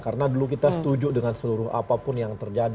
karena dulu kita setuju dengan seluruh apapun yang terjadi